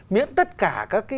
miễn tất cả các cái